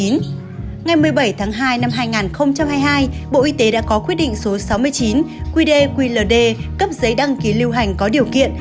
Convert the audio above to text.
ngày một mươi bảy tháng hai năm hai nghìn hai mươi hai bộ y tế đã có quyết định số sáu mươi chín qd qld cấp giấy đăng ký lưu hành có điều kiện